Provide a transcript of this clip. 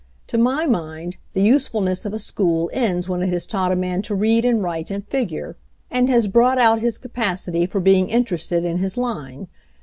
To my mind, the usefulness of a school ends when it has taught a man to read and write and figure, and has brought out his capacity for being interested in his line.